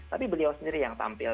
tapi beliau sendiri yang tampil